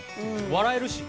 笑えるし。